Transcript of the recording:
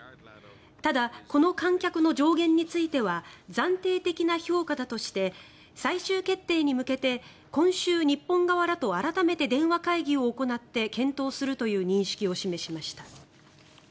ただ、この観客の上限については暫定的な評価だとして最終決定に向けて今週、日本側らと改めて電話会議を行って検討するという認識を示しました。